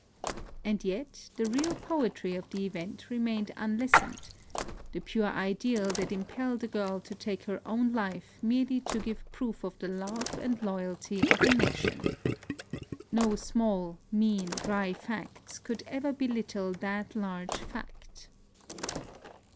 And yet the real poetry of the event remained unlessened, — the pure ideal that impelled a girl to take her own life merely to give proof of the love and loyalty of a nation. No small, mean, dry facts could ever belittle that large fact.